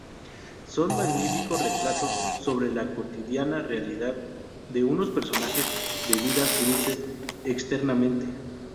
Son magníficos retratos sobre la cotidiana realidad de unos personajes de vidas grises externamente.